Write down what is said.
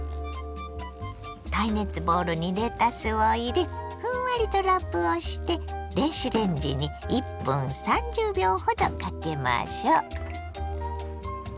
耐熱ボウルにレタスを入れふんわりとラップをして電子レンジに１分３０秒ほどかけましょ。